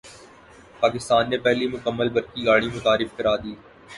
پاکستان نے پہلی مکمل برقی گاڑی متعارف کرادی